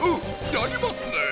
やりますねえ！